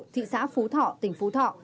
thị xã phú thọ tỉnh phú thọ